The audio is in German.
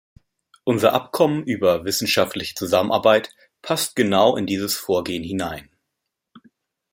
Unser Abkommen über wissenschaftliche Zusammenarbeit passt genau in dieses Vorgehen hinein.